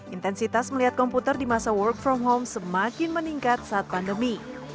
intensitas melihat komputer di masa work from home semakin meningkat saat pandemi